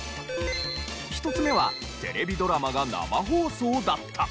１つ目はテレビドラマが生放送だった。